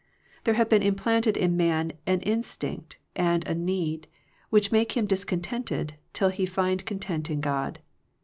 There have been implanted in man an instinct, and a need, which make him discontented, till he find content in God.